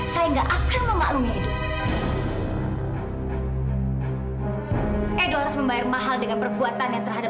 saya gak akan memaklumi edo